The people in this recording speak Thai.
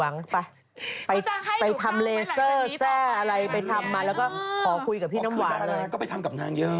โอเคจำล่ะนะก็ไปทำกับนางเยอะ